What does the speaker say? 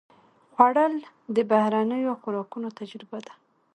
خوړل د بهرنیو خوراکونو تجربه ده